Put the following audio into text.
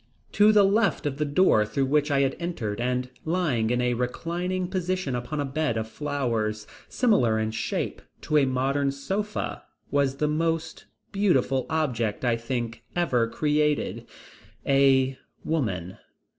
To the left of the door through which I had entered and lying in a reclining position upon a bed of flowers, similar in shape to a modern sofa, was the most beautiful object, I think, ever created a woman.